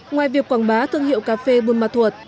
ngoài việc quảng bá thương hiệu cà phê buôn bà thuật